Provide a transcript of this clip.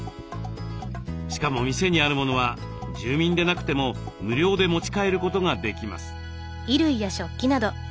しかも店にあるものは住民でなくても無料で持ち帰ることができます。